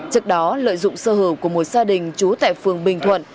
trước đó lợi dụng sơ hữu của một gia đình chú tại phường bình thuận